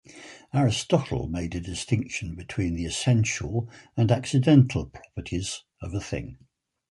Aristotle made a distinction between the essential and accidental properties of a thing.